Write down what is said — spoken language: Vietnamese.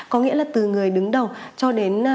có nghĩa là từ người đứng đầu cho đến